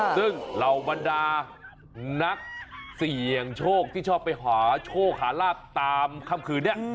ซึ่งเหล่าบรรดานักเสี่ยงโชคที่ชอบไปหาโชคหาลาบตามค่ำคืนนี้